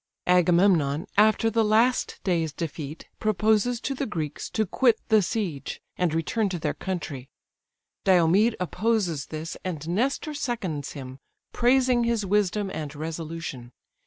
Agamemnon, after the last day's defeat, proposes to the Greeks to quit the siege, and return to their country. Diomed opposes this, and Nestor seconds him, praising his wisdom and resolution.